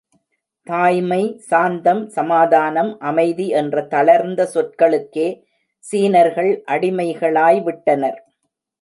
தாய்மை!, சாந்தம், சமாதானம், அமைதி என்ற தளர்ந்த சொற்களுக்கே சீனர்கள் அடிமைகளாய் விட்டனர்.